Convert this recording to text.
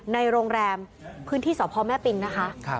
ในโรงแรมพื้นที่สพแม่ปิงนะคะ